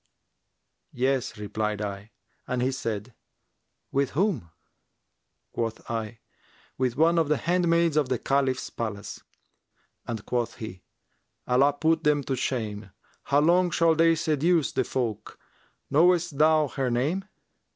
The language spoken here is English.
'Yes,' replied I; and he said, 'With whom?' Quoth I, 'With one of the handmaids of the Caliph's palace;' and quoth he, 'Allah put them to shame! How long shall they seduce the folk? Knowest thou her name?'